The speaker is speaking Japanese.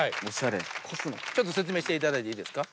説明していただいていいですか。